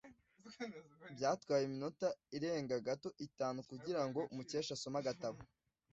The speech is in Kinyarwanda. Byatwaye iminota irenga gato itanu kugirango Mukesha asome agatabo.